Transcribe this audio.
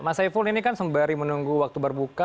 mas saiful ini kan sembari menunggu waktu berbuka